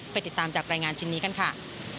ติดตามจากรายงานชิ้นนี้กันค่ะ